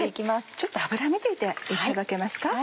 ちょっと油見ていていただけますか？